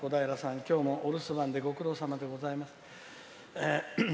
今日もお留守番でご苦労さまでございます。